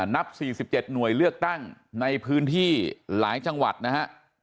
นับ๔๗หน่วยเลือกตั้งในพื้นที่หลายจังหวัดนะฮะ